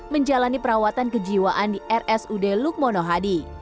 menjalani perawatan kejiwaan di rsud lukmonohadi